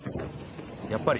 やっぱり。